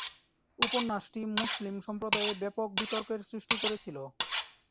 উপন্যাসটি মুসলিম সম্প্রদায়ে ব্যাপক বিতর্কের সৃষ্টি করেছিল।